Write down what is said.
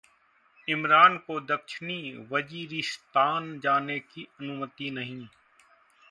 इमरान को दक्षिणी वजीरिस्तान जाने की अनुमति नहीं